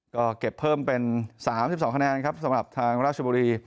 ก็เก็บเพิ่มเป็น๓๒คะแนนครับสำหรับทางราชบุรี